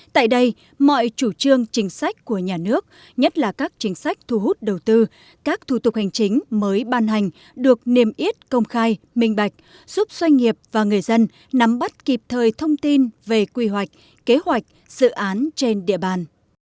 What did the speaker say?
tại đây mọi chủ trương chính sách của nhà nước nhất là các chính sách thu hút đầu tư các thủ tục hành chính mới ban hành được niềm yết công khai minh bạch giúp doanh nghiệp và người dân nắm bắt kịp thời thông tin về quy hoạch kế hoạch dự án trên địa bàn